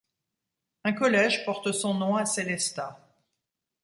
Un collège porte son nom à Sélestat.